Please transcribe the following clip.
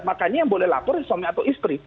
makanya yang boleh lapor suami atau istri